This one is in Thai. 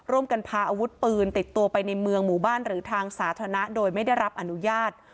พาอาวุธปืนติดตัวไปในเมืองหมู่บ้านหรือทางสาธารณะโดยไม่ได้รับอนุญาต